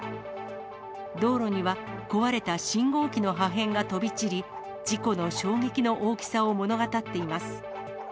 道路には壊れた信号機の破片が飛び散り、事故の衝撃の大きさを物語っています。